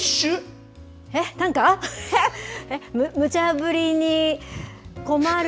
むちゃぶりに困る